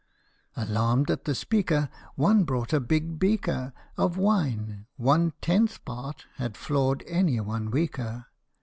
Alarmed at the speaker, One brought a big beaker Of wine one tenth part had floored any one weaker.